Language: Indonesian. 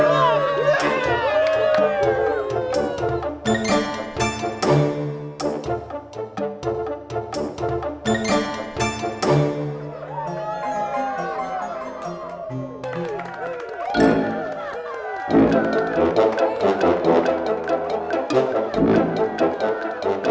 assalamualaikum warahmatullahi wabarakatuh